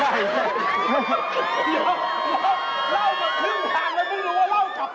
เดี๋ยวเล่ามาครึ่งทางแล้วไม่รู้ว่าเล่าจับ